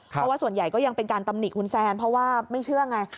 เพราะว่าส่วนใหญ่ก็ยังเป็นการตำหนิคุณแซนเพราะว่าไม่เชื่อไง